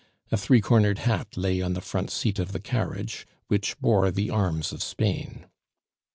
A three cornered hat lay on the front seat of the carriage, which bore the arms of Spain.